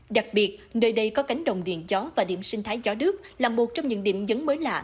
đặc biệt nơi đây có cánh đồng điện gió và điểm sinh thái gió đước là một trong những điểm dấn mới lạ